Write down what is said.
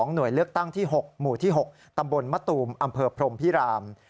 หน่วยเลือกตั้งที่๖หมู่ที่๖ตำบลมะตูมอำเภอพรมพิราม